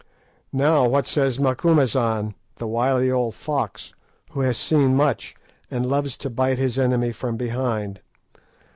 Now what says Macumazahn, the wily old fox, who has seen much, and loves to bite his enemy from behind?